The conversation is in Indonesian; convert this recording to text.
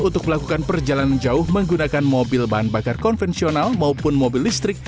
untuk melakukan perjalanan jauh menggunakan mobil bahan bakar konvensional maupun mobil listrik